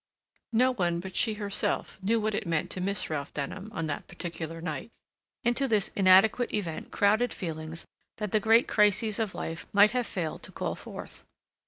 No one but she herself knew what it meant to miss Ralph Denham on that particular night; into this inadequate event crowded feelings that the great crises of life might have failed to call forth.